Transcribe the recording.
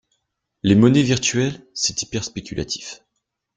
Les monnaies virtuelles? C'est hyper spéculatif.